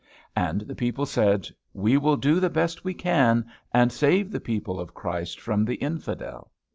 And the people said, "We will do the best we can, and save the people of Christ from the infidel!"